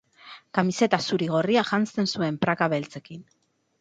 Kamiseta zuri-gorria janzten zuen praka beltzekin.